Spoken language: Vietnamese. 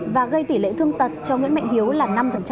và gây tỷ lệ thương tật cho nguyễn mạnh hiếu là năm